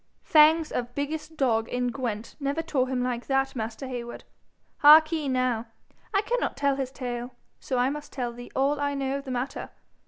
'Fangs of biggest dog in Gwent never tore him like that, master Heywood. Heark'ee now. He cannot tell his tale, so I must tell thee all I know of the matter.